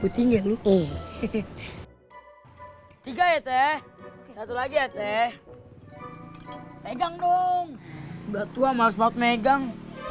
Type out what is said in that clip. putihnya lu ih tiga ya teh satu lagi ya teh pegang dong udah tua males banget megang